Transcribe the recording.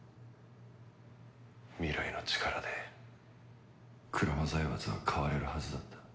未来の力で鞍馬財閥は変われるはずだった。